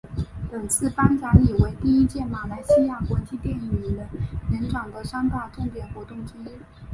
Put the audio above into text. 本次颁奖礼为第一届马来西亚国际电影人年展的三大重点活动之一。